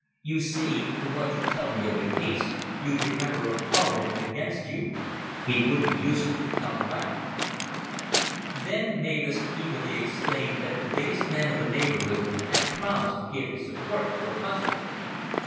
You see, from what you tell me of the case, you've your Member of Parliament against you. It would be useful to counteract " Then Mavis eagerly explained that the biggest man of the neighborhood had promised to give his support to her husband.